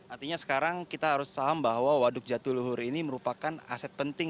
artinya sekarang kita harus paham bahwa waduk jatiluhur ini merupakan aset penting